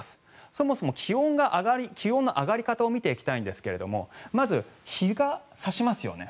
そもそも気温の上がり方を見ていきたいんですがまず、日が差しますよね。